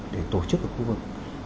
để tổ chức ở khu vực